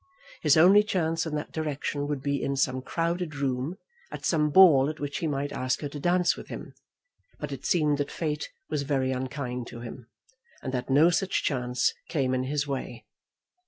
His only chance in that direction would be in some crowded room, at some ball at which he might ask her to dance with him; but it seemed that fate was very unkind to him, and that no such chance came in his way.